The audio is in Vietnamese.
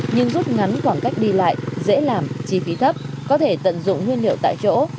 nhưng rút ngắn khoảng cách đi lại dễ làm chi phí thấp có thể tận dụng nguyên liệu tại chỗ